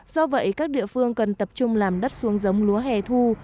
do vậy các địa phương cần tập trung làm đất xuống giống lúa hẻ thu